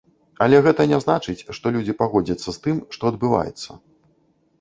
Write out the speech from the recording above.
Але гэта не значыць, што людзі пагодзяцца з тым, што адбываецца.